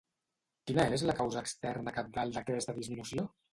Quina és la causa externa cabdal d'aquesta disminució?